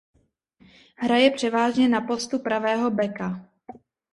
Hraje převážně na postu pravého beka.